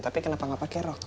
tapi kenapa nggak pakai rok